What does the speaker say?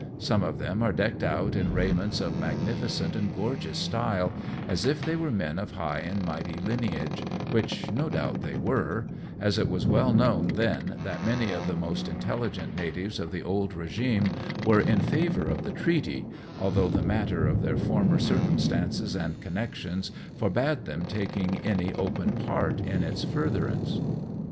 Some of them are decked out in raiments of magnificent and gorgeous style, as if they were men of high and mighty lineage, which no doubt they were, as it was well known then that many of the most intel ligent natives of the old regime were in favour of the treaty, although the matter of their former circum stances and connections forbade them taking any open part in its furtherance.